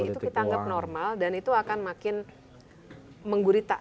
itu kita anggap normal dan itu akan makin menggurita